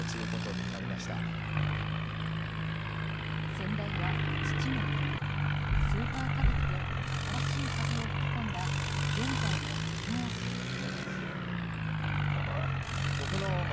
先代は父の兄「スーパー歌舞伎」で新しい風を吹き込んだ現在の猿翁さんです。